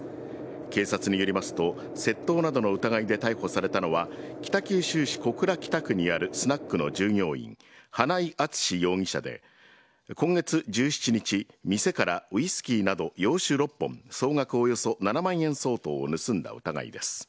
警察によりますと、窃盗などの疑いで逮捕されたのは、北九州市小倉北区にあるスナックの従業員、花井篤容疑者で、今月１７日、店からウイスキーなど、洋酒６本、総額およそ７万円相当を盗んだ疑いです。